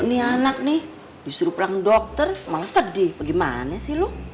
kau nih anak disuruh pulang dokter malah sedih gimana sih lu